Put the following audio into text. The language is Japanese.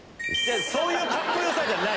そういうカッコよさじゃない。